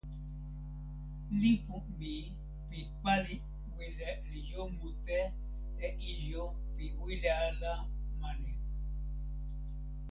lipu mi pi pali wile li jo mute e ijo pi wile ala mani.